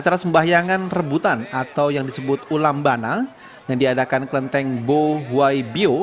acara sembahyangan rebutan atau yang disebut ulambana yang diadakan klenteng bo huai bio